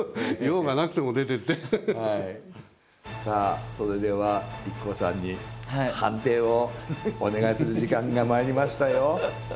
さあそれではＩＫＫＯさんに判定をお願いする時間がまいりましたよ。